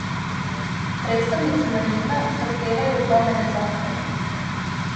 Представници мањина захтевају промене закона.